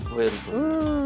うん。